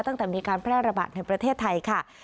ตั้งแต่มีการแพร่ระบาดในประเทศไทยค่ะ